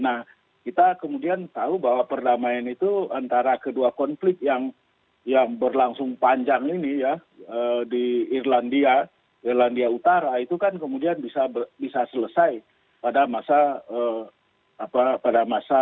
nah kita kemudian tahu bahwa perdamaian itu antara kedua konflik yang berlangsung panjang ini ya di irlandia irlandia utara itu kan kemudian bisa selesai pada masa